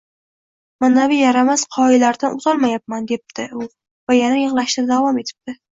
Manavi yaramas qoyalardan o‘tolmayapman, – debdi u va yana yig‘lashda davom etibdi